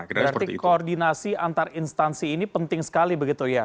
berarti koordinasi antar instansi ini penting sekali begitu ya